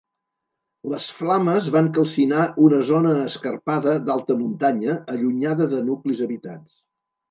Les flames van calcinar una zona escarpada d’alta muntanya allunyada de nuclis habitats.